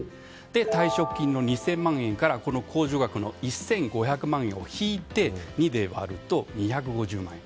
退職金の２０００万円から控除額の１５００万円を引いて２で割ると、２５０万円。